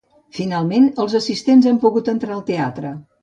Finalment, els assistents han pogut entrar al teatre.